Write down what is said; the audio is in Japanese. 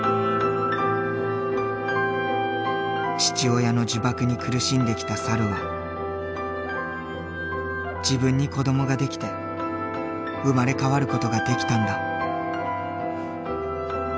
父親の呪縛に苦しんできた猿は自分に子どもができて生まれ変わる事ができたんだ。